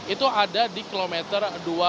itu ada di kilometer dua puluh